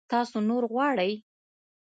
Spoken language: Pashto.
تاسو نور غواړئ؟